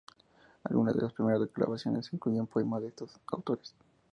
Algunas de sus primeras grabaciones incluyen poemas de estos autores.